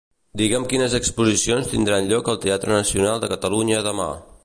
Digue'm quines exposicions tindran lloc al Teatre Nacional de Catalunya demà.